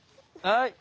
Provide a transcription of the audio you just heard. はい。